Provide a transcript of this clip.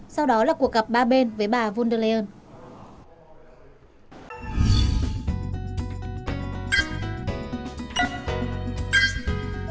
sau đó là cuộc gặp ba bên với bà von der leyen